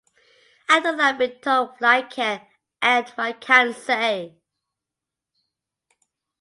I don't like being told what I can and what I can't say.